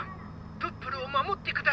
プップルをまもってください」。